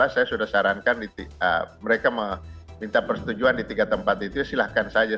sepak bola saya sudah sarankan mereka meminta persetujuan di tiga tempat itu silahkan saja